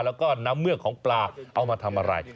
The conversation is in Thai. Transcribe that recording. แล้วก็น้ำเมือกของปลาเอามาทำอะไร